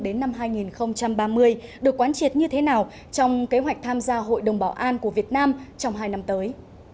đến năm hai nghìn ba mươi được quán triệt như thế nào trong kế hoạch tham gia hội đồng bảo an của việt nam trong hai năm tới